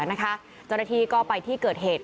เจ้าหน้าที่ก็ไปที่เกิดเหตุ